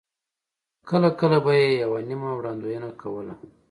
کله کله به یې یوه نیمه وړاندوینه کوله.